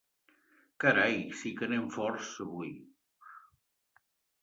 Carai, sí que anem forts, avui!